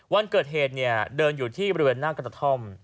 วันเกิดเหตุเดินอยู่ที่บริเวณหน้ากระท่อม